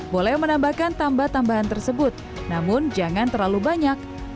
boleh menambahkan tambah tambahan tersebut namun jangan terlalu banyak